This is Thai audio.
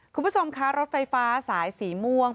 คุณผู้ชมคะรถไฟฟ้าสายสีม่วง